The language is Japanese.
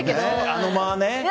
あの間ね。